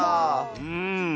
うん。